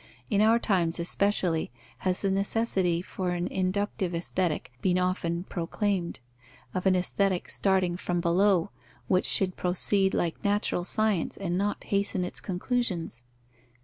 In our times, especially, has the necessity for an inductive Aesthetic been often proclaimed, of an Aesthetic starting from below, which should proceed like natural science and not hasten its conclusions.